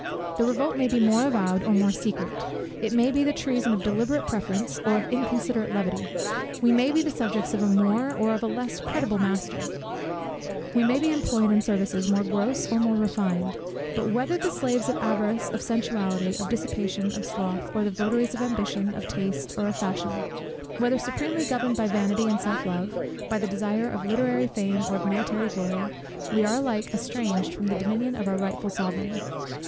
The revolt may be more avowed or more secret; it may be the treason of deliberate preference, or of inconsiderate levity; we may be the subjects of a more or of a less creditable master; we may be employed in services more gross or more refined: but whether the slaves of avarice, of sensuality, of dissipation, of sloth, or the votaries of ambition, of taste, or of fashion; whether supremely governed by vanity and self love, by the desire of literary fame or of military glory, we are alike estranged from the dominion of our rightful sovereign.